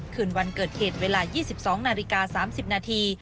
คืนวันเกิดเหตุเวลา๒๒นาฬิกา๓๐นาที